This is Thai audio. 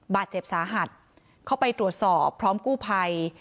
บาดเจ็บสาหัสเข้าไปตรวจสอบพร้อมกู้ภัย